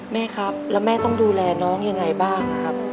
แม่ครับแล้วแม่ต้องดูแลน้องยังไงบ้างครับ